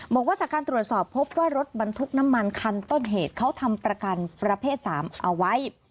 บอกว่าจากการตรวจสอบพบว่ารถบรรทุกน้ำมันคันต้นเหตุเขาทำประกันประเภท๓เอาไว้